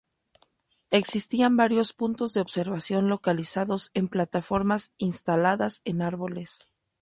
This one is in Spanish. Existían varios puntos de observación localizados en plataformas instaladas en árboles.